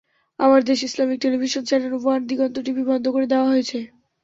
আমার দেশ, Islamic television, channel one, Diganta TV বন্ধ করে দেওয়া হয়েছে।